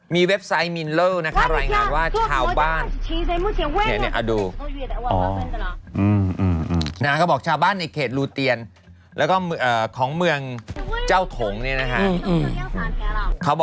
มีเว็บไซต์มีเนี่ยนะครับ